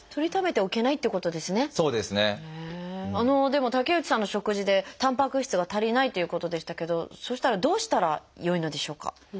でも竹内さんの食事でたんぱく質が足りないということでしたけどそしたらどうしたらよいのでしょうか？